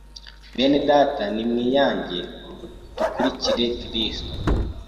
Bene data ni mwiyange dukurikire kristo